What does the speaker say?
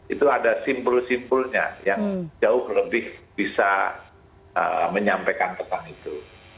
itu ada simpul simpulnya yang jauh lebih bisa menyampaikan tentang itu